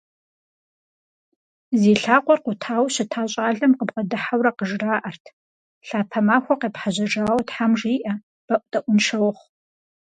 Зи лъакъуэр къутауэ щыта щӀалэм къыбгъэдыхьэурэ къыжраӏэрт: «Лъапэ махуэ къепхьэжьэжауэ тхьэм жиӀэ. БэӀутӀэӀуншэ ухъу».